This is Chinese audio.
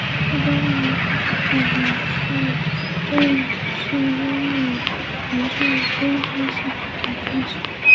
一般认为这是济南市正式拥有城市公交系统的开始。